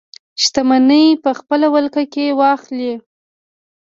شتمنۍ په خپله ولکه کې واخلي.